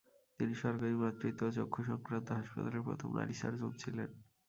তিনি সরকারি মাতৃত্ব ও চক্ষুসংক্রান্ত হাসপাতালের প্রথম নারী সার্জন ছিলেন।